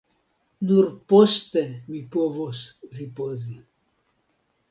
Nur poste mi povos ripozi.